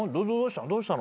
「どうしたの？